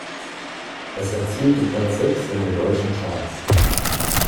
Es erzielte Platz sechs in den deutschen Charts.